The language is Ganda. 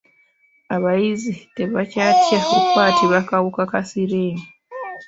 Abayizi tebakyatya kukwatibwa kawuka ka Siriimu.